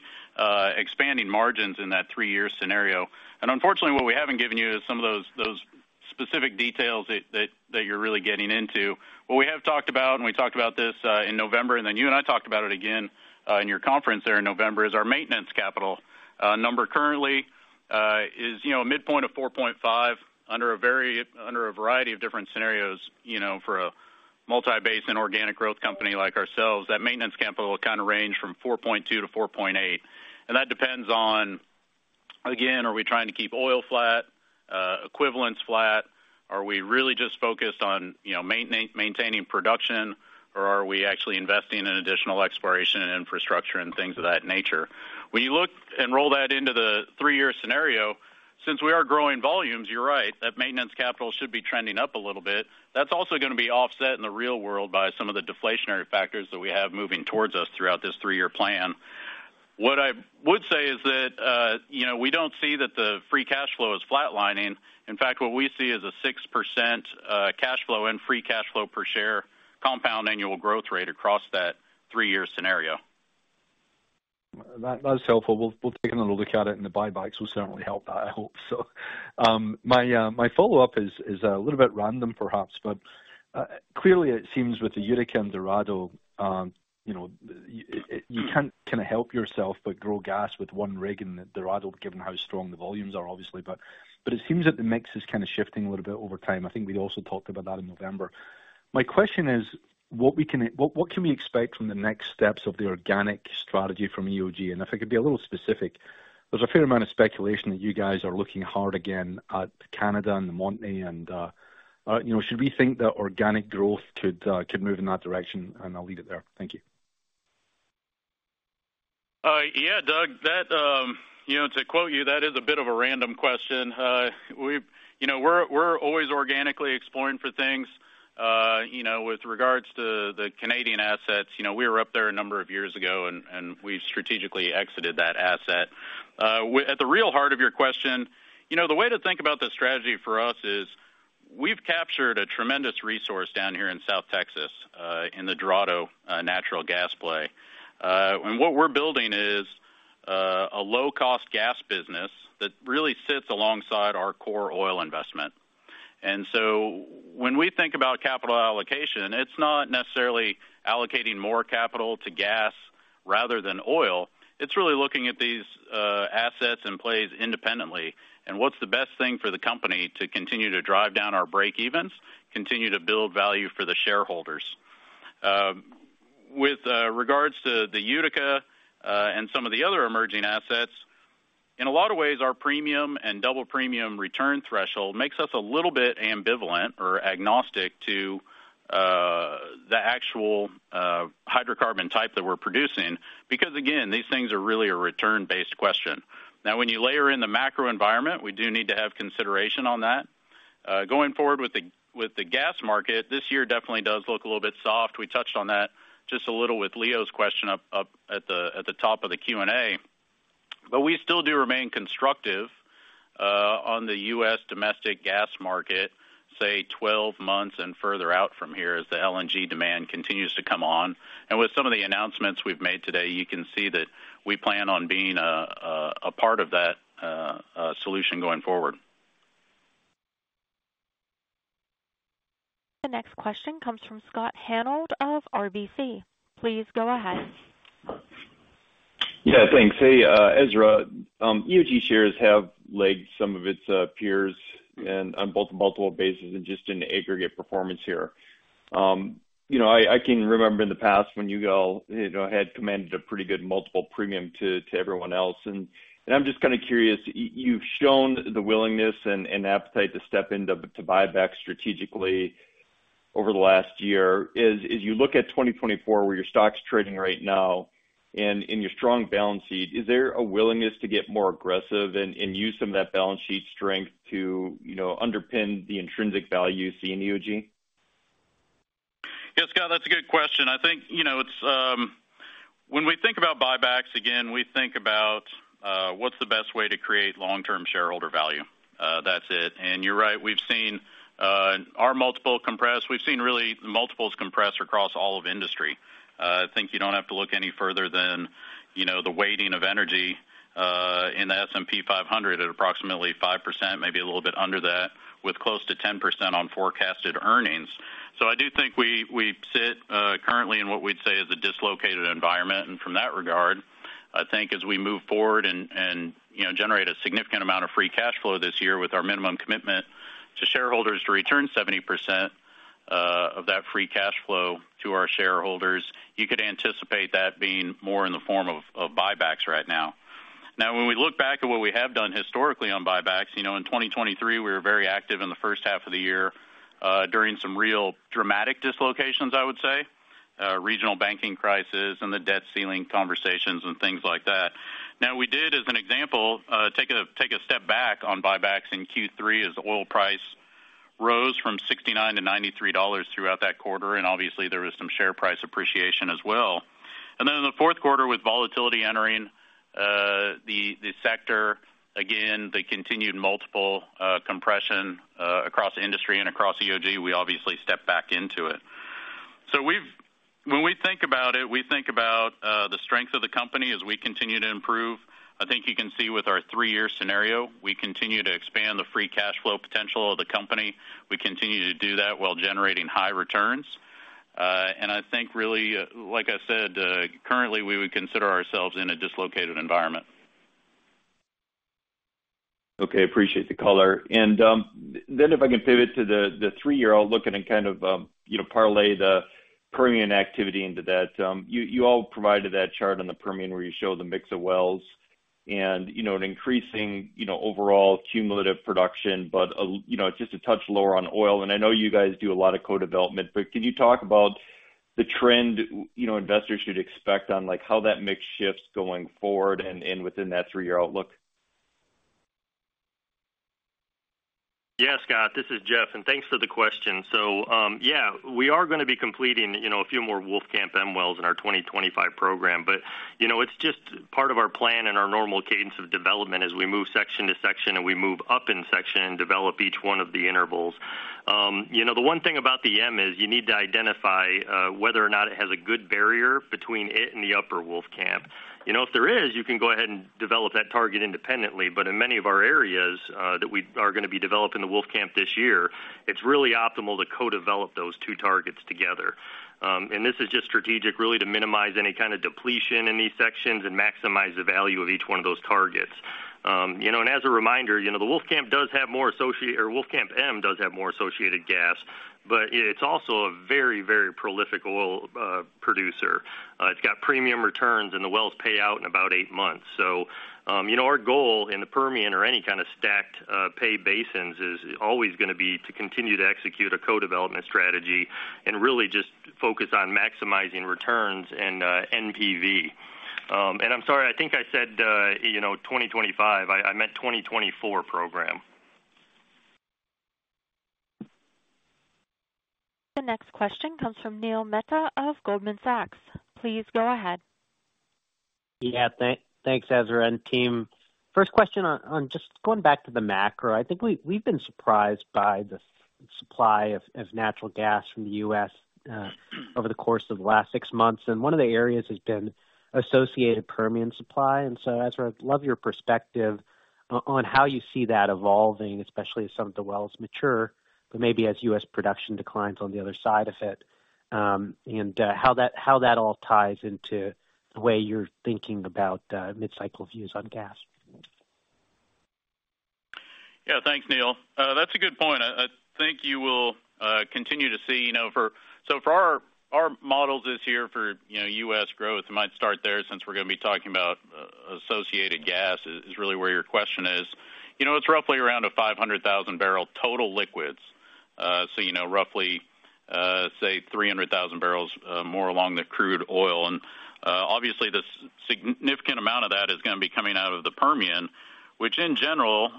expanding margins in that three-year scenario. And unfortunately, what we haven't given you is some of those specific details that you're really getting into. What we have talked about, and we talked about this in November, and then you and I talked about it again in your conference there in November, is our maintenance capital. Number currently is a midpoint of $4.5 under a variety of different scenarios. For a multi-basin and organic growth company like ourselves, that maintenance capital will kind of range from $4.2-$4.8. And that depends on, again, are we trying to keep oil flat, equivalents flat? Are we really just focused on maintaining production, or are we actually investing in additional exploration and infrastructure and things of that nature? When you look and roll that into the three-year scenario, since we are growing volumes, you're right, that maintenance capital should be trending up a little bit. That's also going to be offset in the real world by some of the deflationary factors that we have moving towards us throughout this three-year plan. What I would say is that we don't see that the free cash flow is flatlining. In fact, what we see is a 6% cash flow and free cash flow per share compound annual growth rate across that three-year scenario. That's helpful. We'll take another look at it, and the buybacks will certainly help that, I hope. So my follow-up is a little bit random, perhaps, but clearly, it seems with the Utica and Dorado, you can't kind of help yourself but grow gas with one rig in Dorado, given how strong the volumes are, obviously. But it seems that the mix is kind of shifting a little bit over time. I think we also talked about that in November. My question is, what can we expect from the next steps of the organic strategy from EOG? And if I could be a little specific, there's a fair amount of speculation that you guys are looking hard again at Canada and the Montney. And should we think that organic growth could move in that direction? And I'll leave it there. Thank you. Yeah, Doug, to quote you, that is a bit of a random question. We're always organically exploring for things. With regards to the Canadian assets, we were up there a number of years ago, and we've strategically exited that asset. At the real heart of your question, the way to think about the strategy for us is we've captured a tremendous resource down here in South Texas in the Dorado natural gas play. And what we're building is a low-cost gas business that really sits alongside our core oil investment. And so when we think about capital allocation, it's not necessarily allocating more capital to gas rather than oil. It's really looking at these assets and plays independently and what's the best thing for the company to continue to drive down our breakevens, continue to build value for the shareholders. With regards to the Utica and some of the other emerging assets, in a lot of ways, our premium and double premium return threshold makes us a little bit ambivalent or agnostic to the actual hydrocarbon type that we're producing because, again, these things are really a return-based question. Now, when you layer in the macro environment, we do need to have consideration on that. Going forward with the gas market, this year definitely does look a little bit soft. We touched on that just a little with Leo's question up at the top of the Q&A. But we still do remain constructive on the U.S. domestic gas market, say, 12 months and further out from here as the LNG demand continues to come on. And with some of the announcements we've made today, you can see that we plan on being a part of that solution going forward. The next question comes from Scott Hanold of RBC. Please go ahead. Yeah, thanks. Hey, Ezra, EOG shares have lagged some of its peers on both multiple bases and just in aggregate performance here. I can remember in the past when you all had commanded a pretty good multiple premium to everyone else. And I'm just kind of curious. You've shown the willingness and appetite to step in to buyback strategically over the last year. As you look at 2024, where your stock's trading right now and your strong balance sheet, is there a willingness to get more aggressive and use some of that balance sheet strength to underpin the intrinsic value you see in EOG? Yeah, Scott, that's a good question. I think when we think about buybacks, again, we think about what's the best way to create long-term shareholder value. That's it. And you're right. We've seen our multiples compress. We've seen really the multiples compress across all of industry. I think you don't have to look any further than the weighting of energy in the S&P 500 at approximately 5%, maybe a little bit under that, with close to 10% on forecasted earnings. So I do think we sit currently in what we'd say is a dislocated environment. And from that regard, I think as we move forward and generate a significant amount of free cash flow this year with our minimum commitment to shareholders to return 70% of that free cash flow to our shareholders, you could anticipate that being more in the form of buybacks right now. Now, when we look back at what we have done historically on buybacks, in 2023, we were very active in the first half of the year during some real dramatic dislocations, I would say, regional banking crisis and the debt ceiling conversations and things like that. Now, we did, as an example, take a step back on buybacks in Q3 as oil price rose from $69-$93 throughout that quarter. Obviously, there was some share price appreciation as well. Then in the fourth quarter, with volatility entering the sector, again, the continued multiple compression across industry and across EOG, we obviously stepped back into it. So when we think about it, we think about the strength of the company as we continue to improve. I think you can see with our three-year scenario, we continue to expand the free cash flow potential of the company. We continue to do that while generating high returns. I think really, like I said, currently, we would consider ourselves in a dislocated environment. Okay, appreciate the color. And then if I can pivot to the three-year, I'll look at and kind of parlay the Permian activity into that. You all provided that chart on the Permian where you show the mix of wells and an increasing overall cumulative production, but it's just a touch lower on oil. And I know you guys do a lot of co-development, but can you talk about the trend investors should expect on how that mix shifts going forward and within that three-year outlook? Yeah, Scott, this is Jeff. Thanks for the question. So yeah, we are going to be completing a few more Wolfcamp M wells in our 2025 program. It's just part of our plan and our normal cadence of development as we move section to section and we move up in section and develop each one of the intervals. The one thing about the M is you need to identify whether or not it has a good barrier between it and the upper Wolfcamp. If there is, you can go ahead and develop that target independently. But in many of our areas that we are going to be developing the Wolfcamp this year, it's really optimal to co-develop those two targets together. And this is just strategic, really, to minimize any kind of depletion in these sections and maximize the value of each one of those targets. And as a reminder, the Wolfcamp does have more associated or Wolfcamp M does have more associated gas, but it's also a very, very prolific oil producer. It's got premium returns, and the wells pay out in about eight months. So our goal in the Permian or any kind of stacked pay basins is always going to be to continue to execute a co-development strategy and really just focus on maximizing returns and NPV. And I'm sorry, I think I said 2025. I meant 2024 program. The next question comes from Neil Mehta of Goldman Sachs. Please go ahead. Yeah, thanks, Ezra and team. First question on just going back to the macro, I think we've been surprised by the supply of natural gas from the U.S. over the course of the last six months. One of the areas has been associated Permian supply. So, Ezra, I'd love your perspective on how you see that evolving, especially as some of the wells mature, but maybe as U.S. production declines on the other side of it and how that all ties into the way you're thinking about mid-cycle views on gas? Yeah, thanks, Neil. That's a good point. I think you will continue to see so for our models this year for U.S. growth, I might start there since we're going to be talking about associated gas is really where your question is. It's roughly around a 500,000-barrel total liquids, so roughly, say, 300,000 barrels more along the crude oil. And obviously, the significant amount of that is going to be coming out of the Permian, which in general,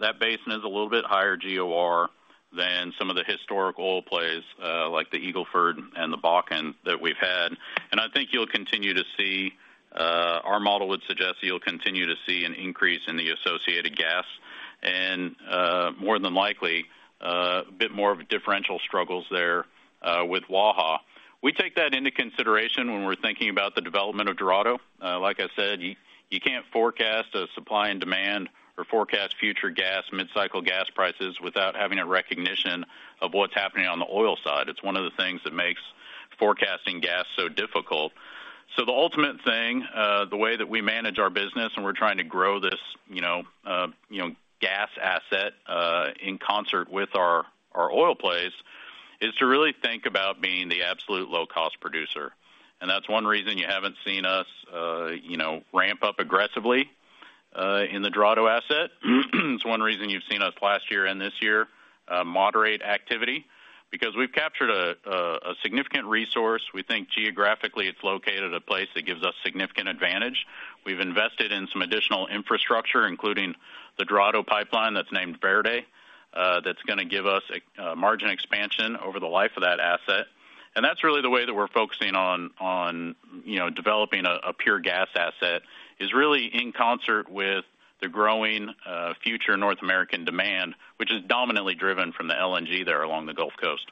that basin is a little bit higher GOR than some of the historic oil plays like the Eagle Ford and the Bakken that we've had. And I think you'll continue to see our model would suggest that you'll continue to see an increase in the associated gas and more than likely, a bit more of differential struggles there with Waha. We take that into consideration when we're thinking about the development of Dorado. Like I said, you can't forecast a supply and demand or forecast future gas mid-cycle gas prices without having a recognition of what's happening on the oil side. It's one of the things that makes forecasting gas so difficult. So the ultimate thing, the way that we manage our business, and we're trying to grow this gas asset in concert with our oil plays, is to really think about being the absolute low-cost producer. And that's one reason you haven't seen us ramp up aggressively in the Dorado asset. It's one reason you've seen us last year and this year moderate activity because we've captured a significant resource. We think geographically, it's located a place that gives us significant advantage. We've invested in some additional infrastructure, including the Dorado pipeline that's named Verde that's going to give us margin expansion over the life of that asset. That's really the way that we're focusing on developing a pure gas asset is really in concert with the growing future North American demand, which is dominantly driven from the LNG there along the Gulf Coast.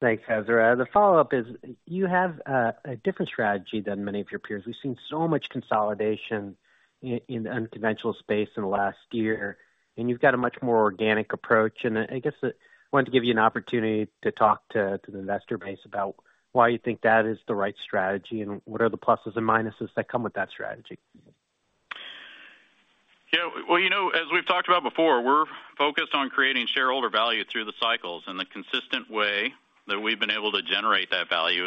Thanks, Ezra. The follow-up is you have a different strategy than many of your peers. We've seen so much consolidation in the unconventional space in the last year, and you've got a much more organic approach. I guess I wanted to give you an opportunity to talk to the investor base about why you think that is the right strategy and what are the pluses and minuses that come with that strategy. Yeah, well, as we've talked about before, we're focused on creating shareholder value through the cycles. And the consistent way that we've been able to generate that value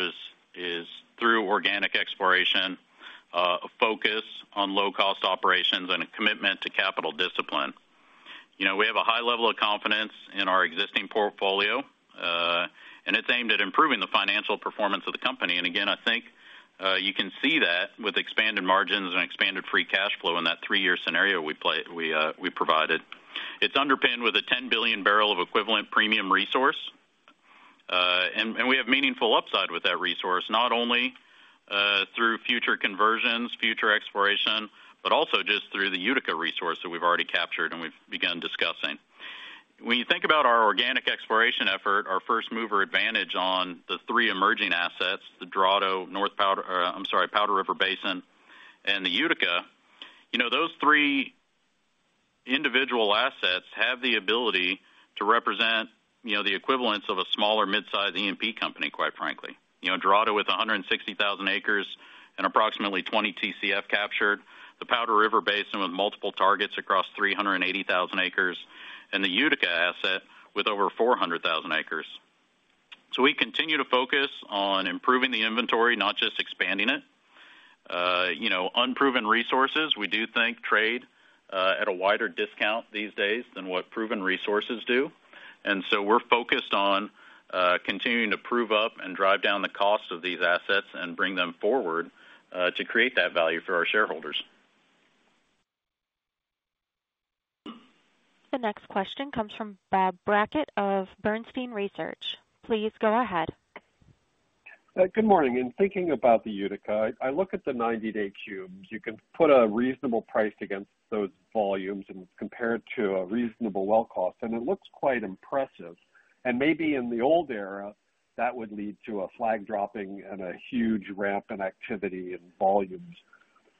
is through organic exploration, a focus on low-cost operations, and a commitment to capital discipline. We have a high level of confidence in our existing portfolio, and it's aimed at improving the financial performance of the company. And again, I think you can see that with expanded margins and expanded free cash flow in that three-year scenario we provided. It's underpinned with a 10 billion barrel of equivalent premium resource. And we have meaningful upside with that resource, not only through future conversions, future exploration, but also just through the Utica resource that we've already captured and we've begun discussing. When you think about our organic exploration effort, our first mover advantage on the three emerging assets, the Dorado, I'm sorry, Powder River Basin, and the Utica, those three individual assets have the ability to represent the equivalence of a smaller midsize E&P company, quite frankly. Dorado with 160,000 acres and approximately 20 TCF captured, the Powder River Basin with multiple targets across 380,000 acres, and the Utica asset with over 400,000 acres. So we continue to focus on improving the inventory, not just expanding it. Unproven resources, we do think trade at a wider discount these days than what proven resources do. And so we're focused on continuing to prove up and drive down the cost of these assets and bring them forward to create that value for our shareholders. The next question comes from Bob Brackett of Bernstein Research. Please go ahead. Good morning. In thinking about the Utica, I look at the 90-day cubes. You can put a reasonable price against those volumes and compare it to a reasonable well cost. And it looks quite impressive. And maybe in the old era, that would lead to a flag dropping and a huge ramp in activity and volumes.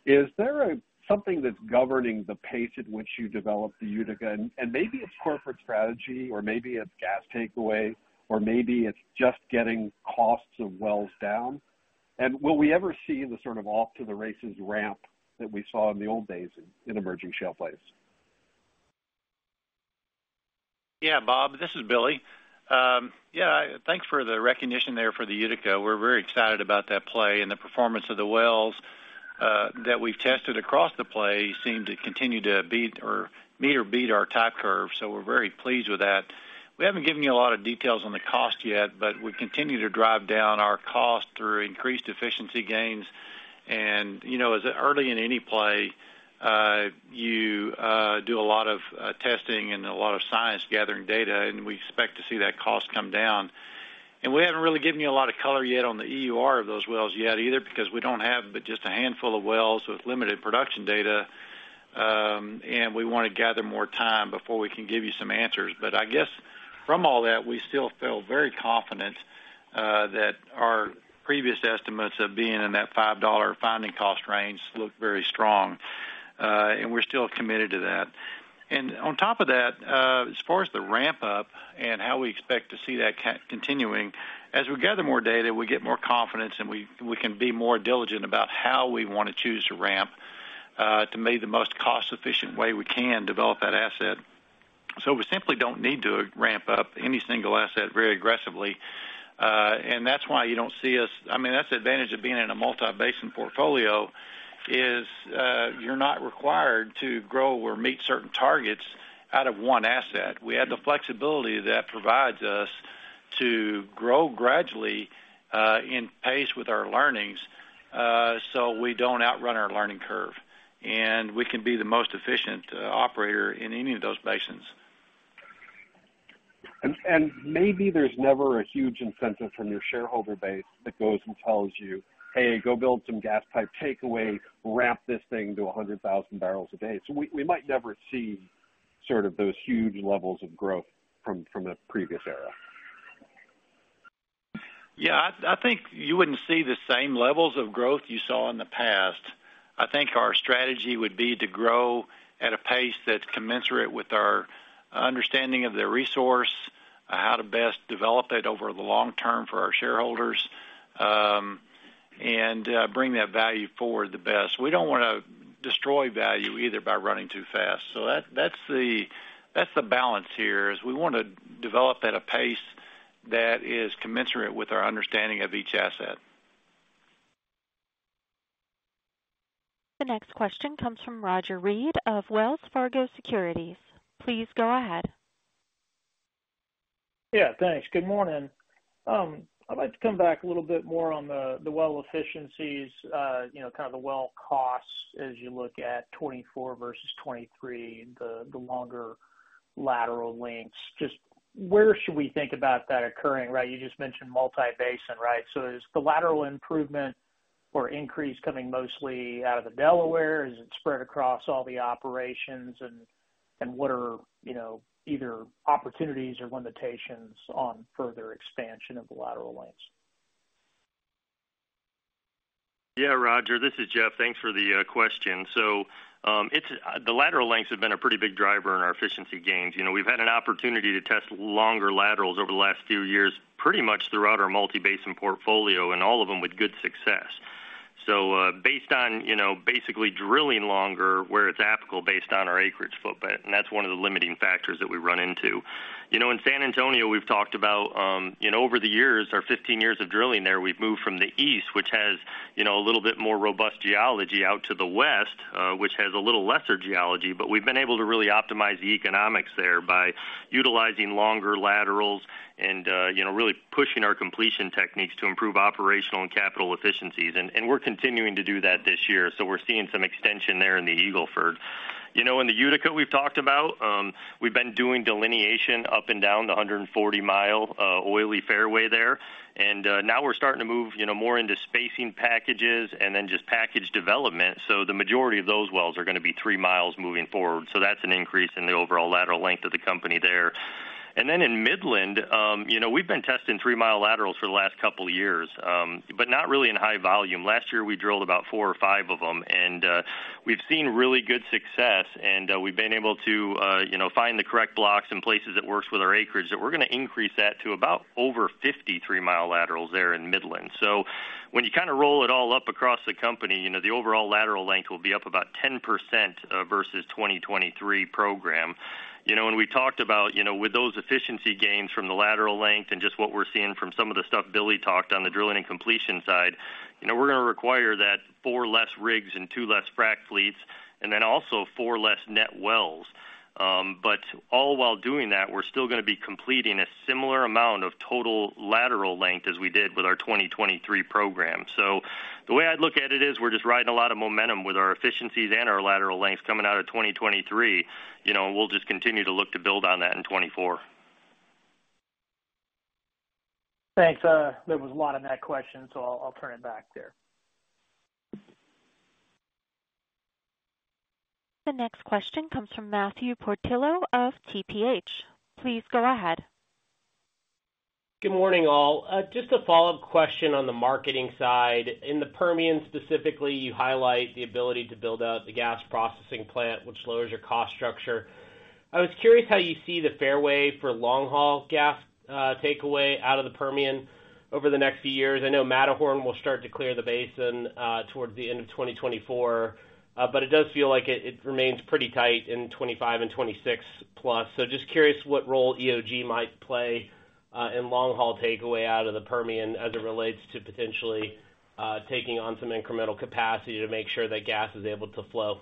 Is there something that's governing the pace at which you develop the Utica? And maybe it's corporate strategy, or maybe it's gas takeaway, or maybe it's just getting costs of wells down. And will we ever see the sort of off-to-the-races ramp that we saw in the old days in emerging shale plays? Yeah, Bob, this is Billy. Yeah, thanks for the recognition there for the Utica. We're very excited about that play. And the performance of the wells that we've tested across the play seem to continue to meet or beat our type curve. So we're very pleased with that. We haven't given you a lot of details on the cost yet, but we continue to drive down our cost through increased efficiency gains. And as early in any play, you do a lot of testing and a lot of science gathering data, and we expect to see that cost come down. And we haven't really given you a lot of color yet on the EUR of those wells yet either because we don't have but just a handful of wells with limited production data. And we want to gather more time before we can give you some answers. But I guess from all that, we still feel very confident that our previous estimates of being in that $5 finding cost range look very strong. And we're still committed to that. And on top of that, as far as the ramp-up and how we expect to see that continuing, as we gather more data, we get more confidence, and we can be more diligent about how we want to choose to ramp to make the most cost-efficient way we can develop that asset. So we simply don't need to ramp up any single asset very aggressively. And that's why you don't see us I mean, that's the advantage of being in a multi-basin portfolio is you're not required to grow or meet certain targets out of one asset. We add the flexibility that provides us to grow gradually in pace with our learnings so we don't outrun our learning curve. And we can be the most efficient operator in any of those basins. Maybe there's never a huge incentive from your shareholder base that goes and tells you, "Hey, go build some gas pipe takeaway. Ramp this thing to 100,000 barrels a day." So we might never see sort of those huge levels of growth from a previous era. Yeah, I think you wouldn't see the same levels of growth you saw in the past. I think our strategy would be to grow at a pace that's commensurate with our understanding of the resource, how to best develop it over the long term for our shareholders, and bring that value forward the best. We don't want to destroy value either by running too fast. So that's the balance here is we want to develop at a pace that is commensurate with our understanding of each asset. The next question comes from Roger Read of Wells Fargo Securities. Please go ahead. Yeah, thanks. Good morning. I'd like to come back a little bit more on the well efficiencies, kind of the well costs as you look at 2024 versus 2023, the longer lateral lengths. Just where should we think about that occurring, right? You just mentioned multi-basin, right? So is the lateral improvement or increase coming mostly out of the Delaware? Is it spread across all the operations? And what are either opportunities or limitations on further expansion of the lateral lengths? Yeah, Roger. This is Jeff. Thanks for the question. So the lateral lengths have been a pretty big driver in our efficiency gains. We've had an opportunity to test longer laterals over the last few years pretty much throughout our multi-basin portfolio, and all of them with good success. So based on basically drilling longer where it's applicable based on our acreage footprint. And that's one of the limiting factors that we run into. In San Antonio, we've talked about over the years, our 15 years of drilling there, we've moved from the east, which has a little bit more robust geology, out to the west, which has a little lesser geology. But we've been able to really optimize the economics there by utilizing longer laterals and really pushing our completion techniques to improve operational and capital efficiencies. And we're continuing to do that this year. So we're seeing some extension there in the Eagle Ford. In the Utica, we've talked about, we've been doing delineation up and down the 140-mile oily fairway there. And now we're starting to move more into spacing packages and then just package development. So the majority of those wells are going to be 3 miles moving forward. So that's an increase in the overall lateral length of the company there. And then in Midland, we've been testing 3-mile laterals for the last couple of years, but not really in high volume. Last year, we drilled about 4 or 5 of them. And we've seen really good success. And we've been able to find the correct blocks and places that work with our acreage that we're going to increase that to about over 50 3-mile laterals there in Midland. So when you kind of roll it all up across the company, the overall lateral length will be up about 10% versus 2023 program. And we talked about with those efficiency gains from the lateral length and just what we're seeing from some of the stuff Billy talked on the drilling and completion side, we're going to require 4 less rigs and 2 less frac fleets, and then also 4 less net wells. But all while doing that, we're still going to be completing a similar amount of total lateral length as we did with our 2023 program. So the way I'd look at it is we're just riding a lot of momentum with our efficiencies and our lateral lengths coming out of 2023. And we'll just continue to look to build on that in 2024. Thanks. There was a lot in that question, so I'll turn it back there. The next question comes from Matthew Portillo of TPH. Please go ahead. Good morning, all. Just a follow-up question on the marketing side. In the Permian specifically, you highlight the ability to build out the gas processing plant, which lowers your cost structure. I was curious how you see the fairway for long-haul gas takeaway out of the Permian over the next few years. I know Matterhorn will start to clear the basin towards the end of 2024, but it does feel like it remains pretty tight in 2025 and 2026 plus. So just curious what role EOG might play in long-haul takeaway out of the Permian as it relates to potentially taking on some incremental capacity to make sure that gas is able to flow.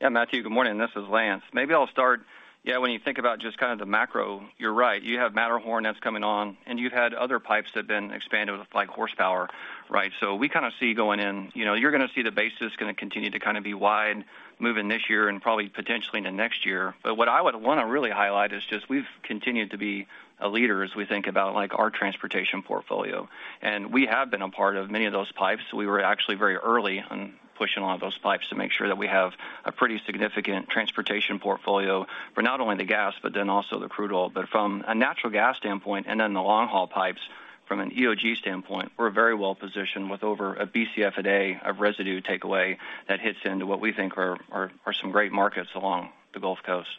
Yeah, Matthew, good morning. This is Lance. Maybe I'll start. Yeah, when you think about just kind of the macro, you're right. You have Matterhorn that's coming on, and you've had other pipes that have been expanded with horsepower, right? So we kind of see going in, you're going to see the basis is going to continue to kind of be wide moving this year and probably potentially into next year. But what I would want to really highlight is just we've continued to be a leader as we think about our transportation portfolio. And we have been a part of many of those pipes. We were actually very early on pushing all of those pipes to make sure that we have a pretty significant transportation portfolio for not only the gas, but then also the crude oil. But from a natural gas standpoint and then the long-haul pipes, from an EOG standpoint, we're very well positioned with over a BCF a day of residue takeaway that hits into what we think are some great markets along the Gulf Coast.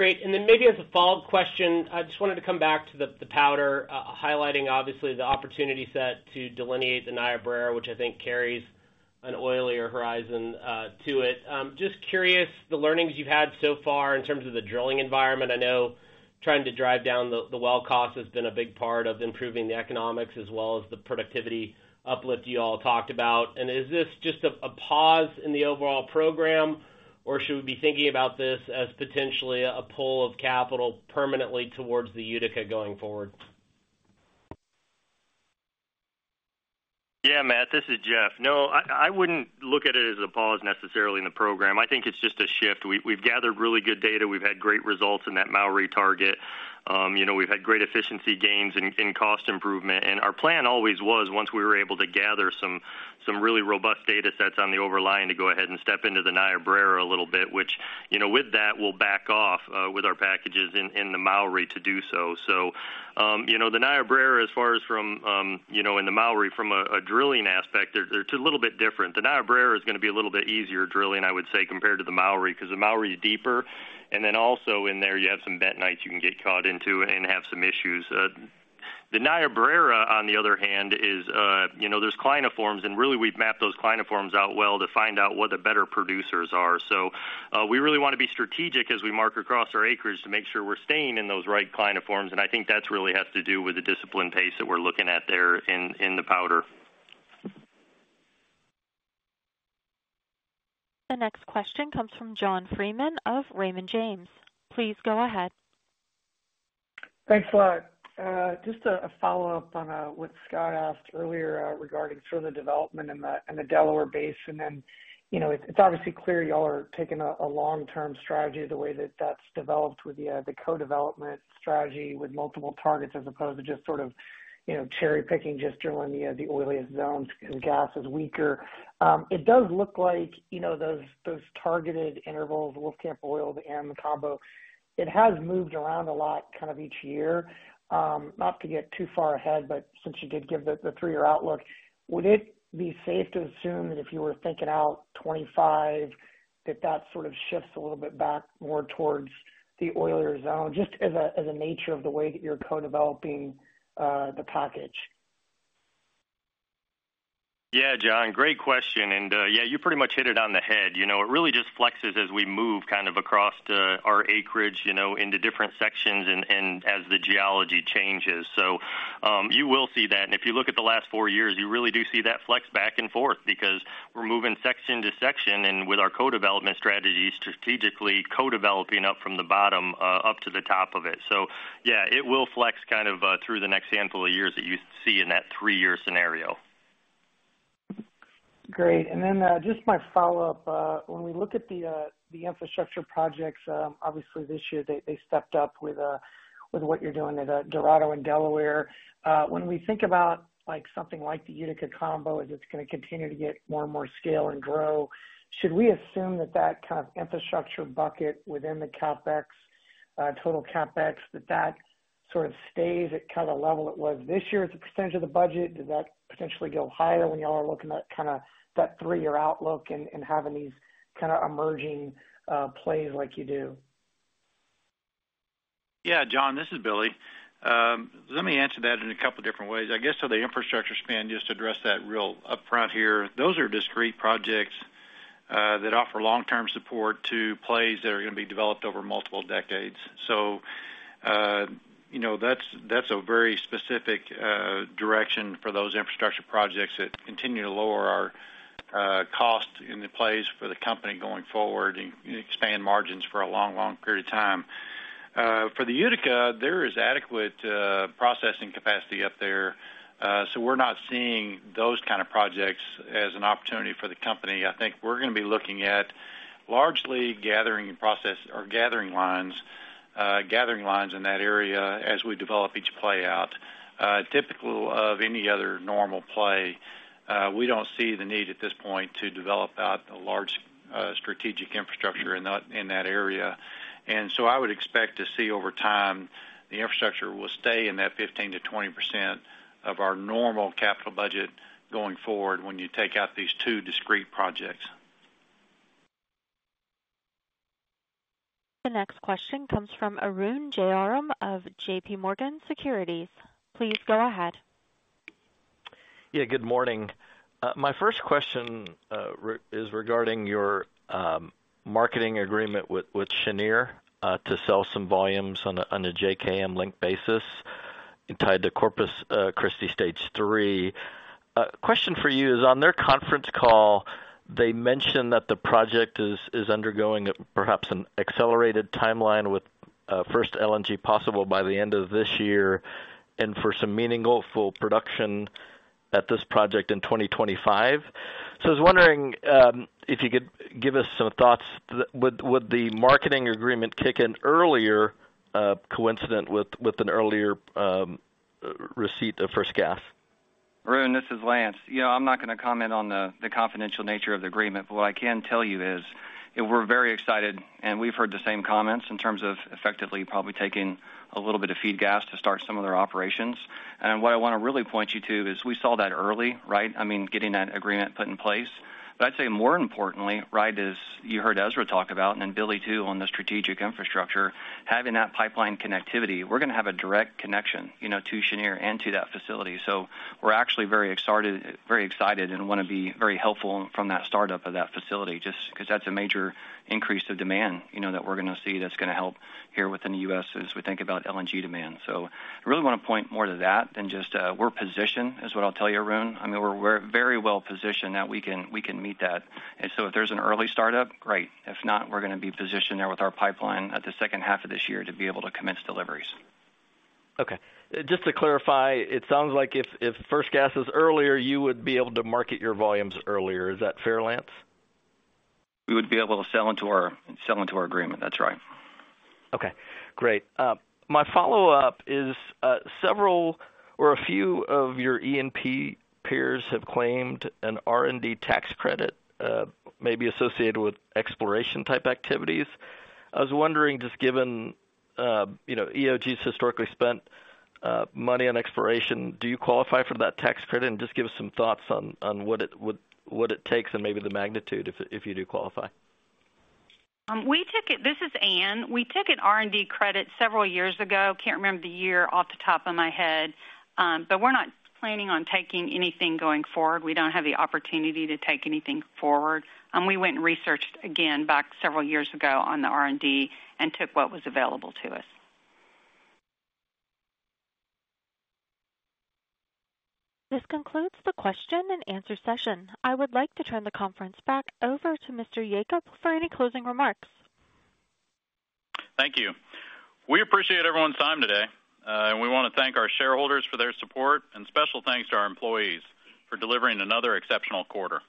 Great. And then maybe as a follow-up question, I just wanted to come back to the Powder, highlighting obviously the opportunity set to delineate the Niobrara, which I think carries an oilier horizon to it. Just curious the learnings you've had so far in terms of the drilling environment. I know trying to drive down the well cost has been a big part of improving the economics as well as the productivity uplift you all talked about. And is this just a pause in the overall program, or should we be thinking about this as potentially a pull of capital permanently towards the Utica going forward? Yeah, Matt, this is Jeff. No, I wouldn't look at it as a pause necessarily in the program. I think it's just a shift. We've gathered really good data. We've had great results in that Mowry target. We've had great efficiency gains in cost improvement. And our plan always was, once we were able to gather some really robust data sets on the overlying to go ahead and step into the Niobrara a little bit, which with that, we'll back off with our packages in the Mowry to do so. So the Niobrara, as far as from in the Mowry, from a drilling aspect, they're a little bit different. The Niobrara is going to be a little bit easier drilling, I would say, compared to the Mowry because the Mowry is deeper. Then also in there, you have some bet nights you can get caught into and have some issues. The Niobrara, on the other hand, is. There's cliniforms. Really, we've mapped those cliniforms out well to find out what the better producers are. So we really want to be strategic as we mark across our acreage to make sure we're staying in those right cliniforms. And I think that really has to do with the disciplined pace that we're looking at there in the Powder. The next question comes from John Freeman of Raymond James. Please go ahead. Thanks a lot. Just a follow-up on what Scott asked earlier regarding sort of the development in the Delaware Basin. It's obviously clear y'all are taking a long-term strategy the way that that's developed with the co-development strategy with multiple targets as opposed to just sort of cherry-picking just during the oiliest zones because gas is weaker. It does look like those targeted intervals, Wolfcamp Oil and the combo, it has moved around a lot kind of each year, not to get too far ahead, but since you did give the 3-year outlook, would it be safe to assume that if you were thinking out 2025, that that sort of shifts a little bit back more towards the oilier zone just as a nature of the way that you're co-developing the package? Yeah, John, great question. And yeah, you pretty much hit it on the head. It really just flexes as we move kind of across our acreage into different sections and as the geology changes. So you will see that. And if you look at the last four years, you really do see that flex back and forth because we're moving section to section and with our co-development strategies, strategically co-developing up from the bottom up to the top of it. So yeah, it will flex kind of through the next handful of years that you see in that three-year scenario. Great. And then just my follow-up, when we look at the infrastructure projects, obviously, this year, they stepped up with what you're doing at Dorado and Delaware. When we think about something like the Utica combo as it's going to continue to get more and more scale and grow, should we assume that that kind of infrastructure bucket within the total CapEx, that that sort of stays at kind of the level it was this year as a percentage of the budget? Does that potentially go higher when y'all are looking at kind of that three-year outlook and having these kind of emerging plays like you do? Yeah, John, this is Billy. Let me answer that in a couple of different ways. I guess so the infrastructure spend, just to address that right up front here, those are discrete projects that offer long-term support to plays that are going to be developed over multiple decades. So that's a very specific direction for those infrastructure projects that continue to lower our cost in the plays for the company going forward and expand margins for a long, long period of time. For the Utica, there is adequate processing capacity up there. So we're not seeing those kind of projects as an opportunity for the company. I think we're going to be looking at largely gathering lines in that area as we develop each play out. Typical of any other normal play, we don't see the need at this point to develop out a large strategic infrastructure in that area. So I would expect to see over time, the infrastructure will stay in that 15%-20% of our normal capital budget going forward when you take out these two discrete projects. The next question comes from Arun Jayaram of J.P. Morgan Securities. Please go ahead. Yeah, good morning. My first question is regarding your marketing agreement with Cheniere to sell some volumes on a JKM-linked basis and tied to Corpus Christi Stage 3. Question for you is, on their conference call, they mention that the project is undergoing perhaps an accelerated timeline with first LNG possible by the end of this year and for some meaningful production at this project in 2025. So I was wondering if you could give us some thoughts. Would the marketing agreement kick in earlier coincident with an earlier receipt of first gas? Arun, this is Lance. I'm not going to comment on the confidential nature of the agreement, but what I can tell you is we're very excited, and we've heard the same comments in terms of effectively probably taking a little bit of feed gas to start some of their operations. What I want to really point you to is we saw that early, right? I mean, getting that agreement put in place. But I'd say more importantly, right, as you heard Ezra talk about and then Billy too on the strategic infrastructure, having that pipeline connectivity, we're going to have a direct connection to Cheniere and to that facility. So we're actually very excited and want to be very helpful from that startup of that facility, just because that's a major increase of demand that we're going to see that's going to help here within the U.S. as we think about LNG demand. So I really want to point more to that than just we're positioned, is what I'll tell you, Arun. I mean, we're very well positioned that we can meet that. And so if there's an early startup, great. If not, we're going to be positioned there with our pipeline at the second half of this year to be able to commence deliveries. Okay. Just to clarify, it sounds like if first gas is earlier, you would be able to market your volumes earlier. Is that fair, Lance? We would be able to sell into our agreement. That's right. Okay. Great. My follow-up is several or a few of your E&P peers have claimed an R&D tax credit maybe associated with exploration-type activities. I was wondering, just given EOG's historically spent money on exploration, do you qualify for that tax credit? And just give us some thoughts on what it takes and maybe the magnitude if you do qualify. We took it. This is Ann. We took an R&D credit several years ago. Can't remember the year off the top of my head. But we're not planning on taking anything going forward. We don't have the opportunity to take anything forward. We went and researched again back several years ago on the R&D and took what was available to us. This concludes the question and answer session. I would like to turn the conference back over to Mr. Yacob for any closing remarks. Thank you. We appreciate everyone's time today. We want to thank our shareholders for their support and special thanks to our employees for delivering another exceptional quarter.